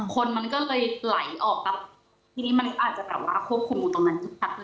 คนนั้นก็เลยไหลออกที่นี้มันจะเป็นแปลว่าควบคุมอยู่ตรงนั้น